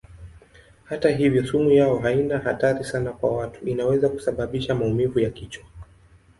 Hata hivyo sumu yao haina hatari sana kwa watu; inaweza kusababisha maumivu ya kichwa.